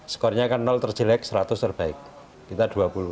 skornya kan terjelek seratus terbaik kita dua puluh